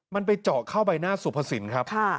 มันไปเจาะเข้าใบหน้าสุภสินครับ